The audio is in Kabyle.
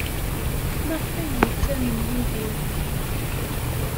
Maɣef ay yettamen Yidir?